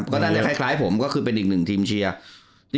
ก็น่าจะคล้ายผมก็คือเป็นอีกหนึ่งทีมเชียร์